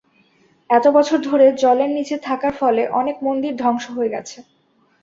এত বছর ধরে জলের নিচে থাকার ফলে অনেক মন্দির ধ্বংস হয়ে গেছে।